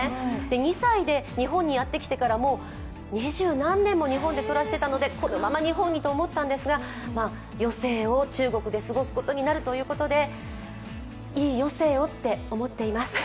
２歳で日本にやってきてからも２０何年も日本で暮らしてたのでこのまま日本にと思ったんですが余生を中国で過ごすことになるということで、いい余生をって思っています。